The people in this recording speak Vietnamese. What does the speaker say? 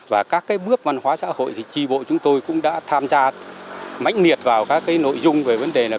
và các bước văn hóa xã hội thì tri bộ chúng tôi cũng đã tham gia mãnh liệt vào các nội dung về vấn đề này